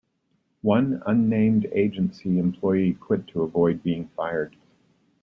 One unnamed agency employee quit to avoid being fired.